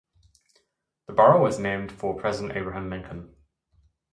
The borough was named for President Abraham Lincoln.